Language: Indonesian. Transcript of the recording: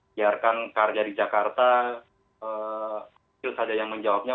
biarkan kerja di jakarta itu saja yang menjawabnya